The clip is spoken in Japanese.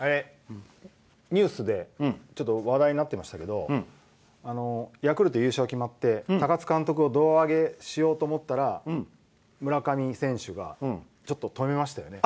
ニュースで話題になってましたけどヤクルト優勝が決まって高津監督を胴上げしようと思ったら村上選手がちょっととめましたよね。